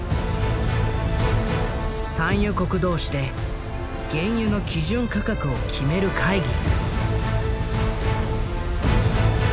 産油国同士で原油の基準価格を決める会議。